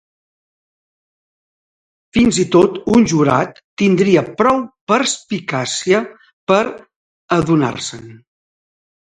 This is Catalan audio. Fins i tot un jurat tindria prou perspicàcia per adonar-se'n.